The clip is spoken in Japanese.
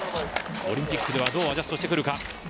オリンピックではどうアジャストしてくるか。